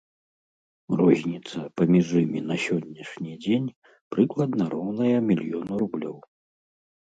Розніца паміж імі на сённяшні дзень прыкладна роўная мільёну рублёў.